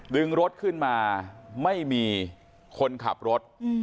ดึงรถขึ้นมาไม่มีคนขับรถ